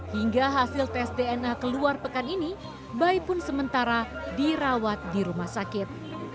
hingga hasil tes dna keluar pekan ini bayi pun sementara dirawat di rumah sakit